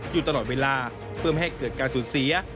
อยู่ตลอดเวลาเพื่อไม่ให้เกิดการสูญเสีย